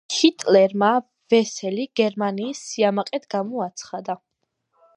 ჰიტლერმა ვესელი გერმანიის სიამაყედ გამოაცხადა.